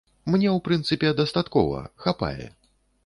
Мне ў прынцыпе дастаткова, хапае.